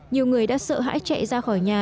nhiều người đã sợ hãi chạy ra khỏi nhà